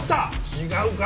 違うか？